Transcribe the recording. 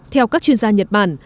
theo các chuyên gia nhật bản